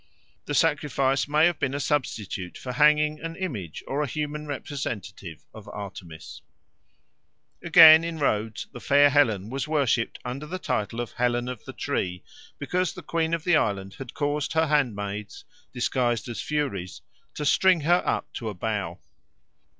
The sacrifice may have been a substitute for hanging an image or a human representative of Artemis. Again, in Rhodes the fair Helen was worshipped under the title of Helen of the Tree, because the queen of the island had caused her handmaids, disguised as Furies, to string her up to a bough.